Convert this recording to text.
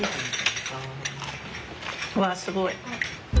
うわすごい。